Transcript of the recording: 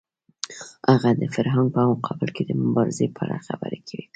هغه د فرعون په مقابل کې د مبارزې په اړه خبرې وکړې.